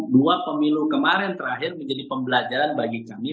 dua pemilu kemarin terakhir menjadi pembelajaran bagi kami